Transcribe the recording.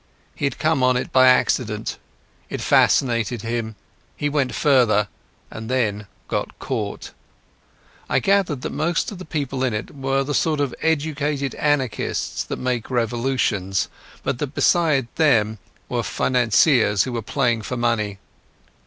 He had come on it by accident; it fascinated him; he went further, and then he got caught. I gathered that most of the people in it were the sort of educated anarchists that make revolutions, but that beside them there were financiers who were playing for money.